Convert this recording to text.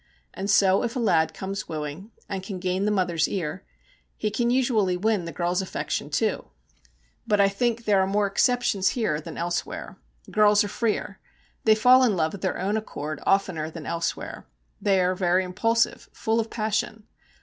And so if a lad comes wooing, and can gain the mother's ear, he can usually win the girl's affection, too; but I think there are more exceptions here than elsewhere. Girls are freer; they fall in love of their own accord oftener than elsewhere; they are very impulsive, full of passion.